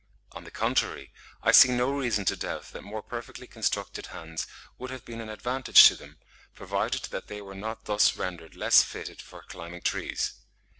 On the contrary, I see no reason to doubt that more perfectly constructed hands would have been an advantage to them, provided that they were not thus rendered less fitted for climbing trees.